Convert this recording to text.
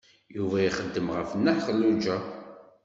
Yuba ixeddem ɣef Nna Xelluǧa.